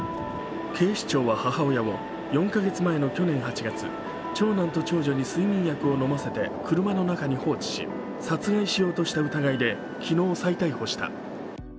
警視庁は母親を４カ月前の去年８月、長男と長女に睡眠薬を飲ませて車の中に放置し殺害しようとした疑いで昨日、再逮捕した。